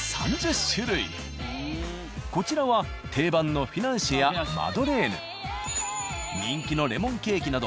こちらは定番のフィナンシェやマドレーヌ人気のレモンケーキなど。